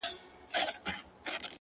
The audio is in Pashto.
• هغې ويل ه ځه درځه چي کلي ته ځو ـ